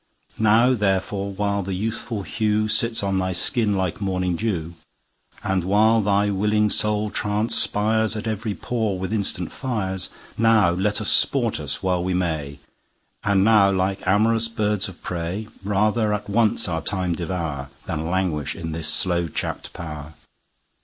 Now therefore, while the youthful hewSits on thy skin like morning [dew]And while thy willing Soul transpiresAt every pore with instant Fires, Now let us sport us while we may; And now, like am'rous birds of prey, Rather at once our Time devour, Than languish in his slow chapt pow'r.